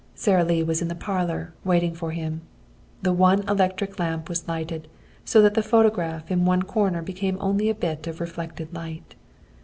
Sara Lee was in the parlor, waiting for him. The one electric lamp was lighted, so that the phonograph in one corner became only a bit of reflected light.